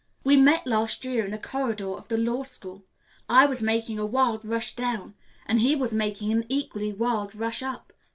"We met last year in a corridor of the law school, I was making a wild rush down and he was making an equally wild rush up.